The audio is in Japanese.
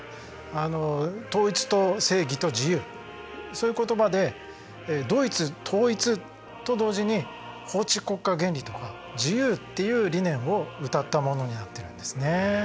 統一と正義と自由そういう言葉でドイツ統一と同時に法治国家原理とか自由っていう理念をうたったものになっているんですね。